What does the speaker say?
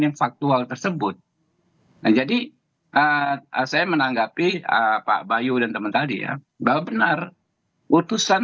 yang faktual tersebut nah jadi saya menanggapi pak bayu dan teman tadi ya bahwa benar utusan